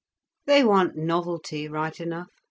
They want novelty right enough.